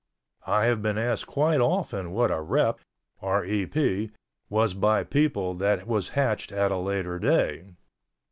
I have been asked quite often what a "Rep" was by people that was hatched at a later day.